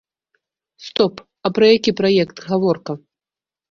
Стоп, а пра які праект гаворка?